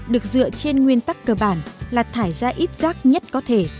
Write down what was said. được dựa trên nguyên tắc cơ bản là thải ra ít rác nhất có thể